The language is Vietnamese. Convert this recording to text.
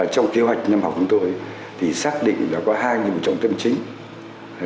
trong kế hoạch năm học của tôi thì xác định là có hai những trọng tâm chính